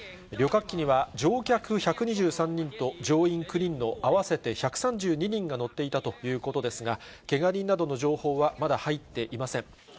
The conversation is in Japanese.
旅客機には乗客１２３人と、乗員９人の合わせて１３２人が乗っていたということですが、けが人などの情報はまだ入っていません。